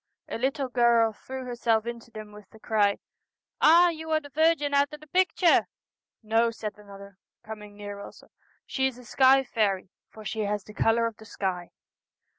A little girl threw herself into them with the cry, ' Ah, you are the Virgin out o' the picture !'' No,' said another, coming near also, ' she is a sky faery, for she has the colour of the sky.'